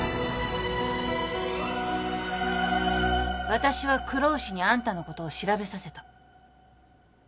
私は黒丑にあんたのことを調べさせた。